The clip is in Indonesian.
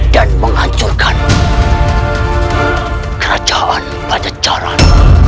dan menghancurkan kerajaan pancacaran